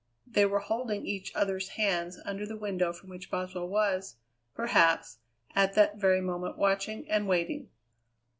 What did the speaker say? They were holding each other's hands under the window from which Boswell was, perhaps, at that very moment watching and waiting.